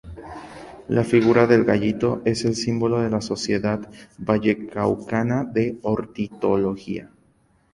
La figura del gallito es el símbolo de la Sociedad Vallecaucana de Ornitología.